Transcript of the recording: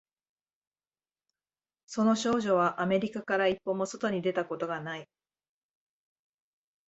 その少女はアメリカから一歩も外に出たことがない